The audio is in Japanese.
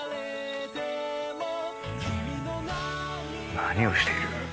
何をしている？